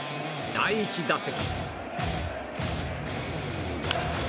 第１打席。